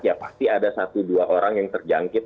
ya pasti ada satu dua orang yang terjangkit